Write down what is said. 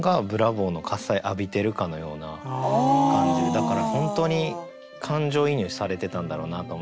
だから本当に感情移入されてたんだろうなと思って。